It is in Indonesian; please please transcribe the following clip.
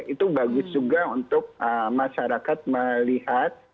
itu bagus juga untuk masyarakat melihat